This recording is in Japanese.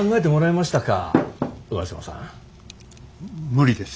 無理です。